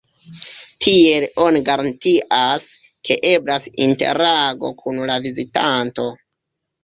Tiel oni garantias, ke eblas interago kun la vizitanto.